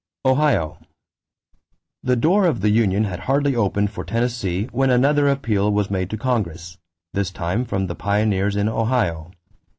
=Ohio.= The door of the union had hardly opened for Tennessee when another appeal was made to Congress, this time from the pioneers in Ohio.